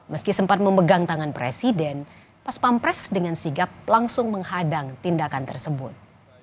meski sempat memegang tangan presiden pas pampres dengan sigap langsung menghadang tindakan tersebut